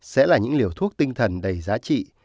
sẽ là những liều thuốc tinh thần đầy giá trị